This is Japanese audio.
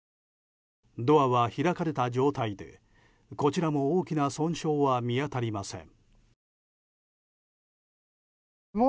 ドアは開かれた状態でこちらも大きな損傷は見当たりません。